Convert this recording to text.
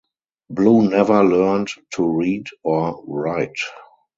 Blue never learned to read or write.